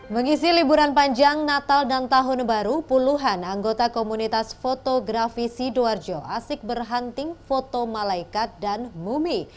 mengisi liburan panjang natal dan tahun baru puluhan anggota komunitas fotografi sidoarjo asik berhunting foto malaikat dan mumi